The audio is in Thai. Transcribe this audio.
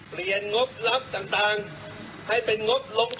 เปลี่ยนงบลับต่างให้เป็นงบลงทุน